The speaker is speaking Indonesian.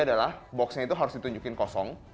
adalah box nya itu harus ditunjukin kosong